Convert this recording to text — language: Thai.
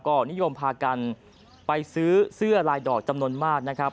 ก็นิยมพากันไปซื้อเสื้อลายดอกจำนวนมากนะครับ